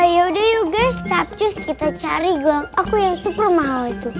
ya udah yuk guys capcus kita cari gelang aku yang super mahal itu